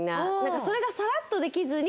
それがサラッとできずに。